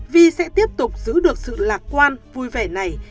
vi sẽ tiếp tục giữ được sự lạc quan vui vẻ này